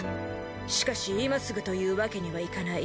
しかし今すぐというわけにはいかない。